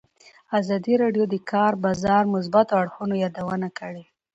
ازادي راډیو د د کار بازار د مثبتو اړخونو یادونه کړې.